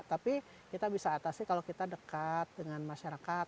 tapi kita bisa atasi kalau kita dekat dengan masyarakat